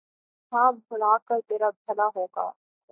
ہاں بھلا کر ترا بھلا ہوگا